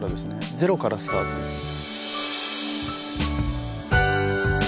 ゼロからスタートですね